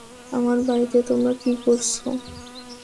আমার বাড়িতে তোমরা কী করছ?